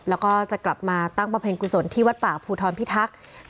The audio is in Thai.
แล้วก็จะกลับมาตั้งบำเพ็ญกุศลที่วัดป่าภูทรพิทักษ์